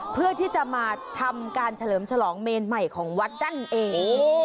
เพื่อที่จะมาทำการเฉลิมฉลองเมนใหม่ของวัดนั่นเอง